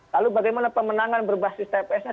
lalu bagaimana pemenangan berbasis tps nya